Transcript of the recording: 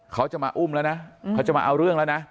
เขาจะมาอุ้มแล้วนะเขาจะมาเอาเรื่องแล้วนะ